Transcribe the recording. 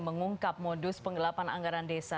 mengungkap modus penggelapan anggaran desa